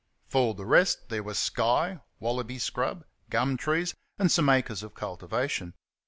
For the rest there were sky, wallaby scrub, gum trees, and some acres of cultivation.